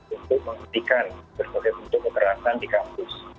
untuk menghentikan berbagai bentuk kekerasan di kampus